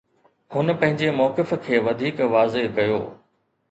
هن پنهنجي موقف کي وڌيڪ واضح ڪيو.